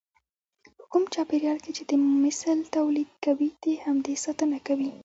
په کوم چاپېريال کې چې د مثل توليد کوي د همدې ساتنه کوي.